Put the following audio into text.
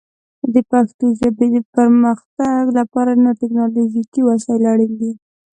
د پښتو ژبې پرمختګ لپاره نور ټکنالوژیکي وسایل اړین دي.